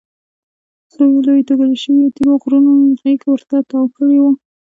لویو لویو توږل شویو تیږو غېږ ورته تاو کړې وه.